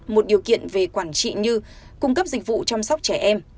một điều kiện về quản trị như cung cấp dịch vụ chăm sóc trẻ em